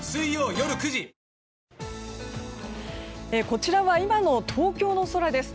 こちらは今の東京の空です。